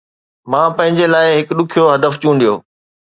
مان پنهنجي لاءِ هڪ ڏکيو هدف چونڊيو